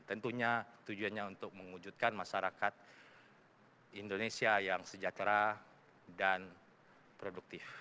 tentunya tujuannya untuk mewujudkan masyarakat indonesia yang sejahtera dan produktif